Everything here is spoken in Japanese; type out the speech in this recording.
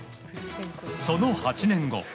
その８年後。